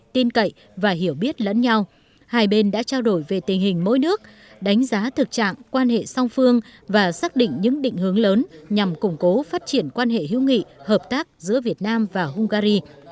tin cậy và hiểu biết lẫn nhau hai bên đã trao đổi về tình hình mỗi nước đánh giá thực trạng quan hệ song phương và xác định những định hướng lớn nhằm củng cố phát triển quan hệ hữu nghị hợp tác giữa việt nam và hungary